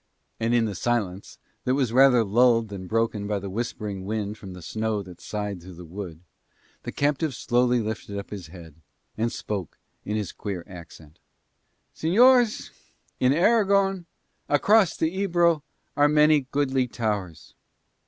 And in the silence, that was rather lulled than broken by the whispering wind from the snow that sighed through the wood, the captive slowly lifted up his head and spoke in his queer accent. "Señors, in Aragon, across the Ebro, are many goodly towers."